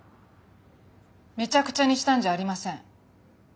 めちゃくちゃにしたんじゃありません。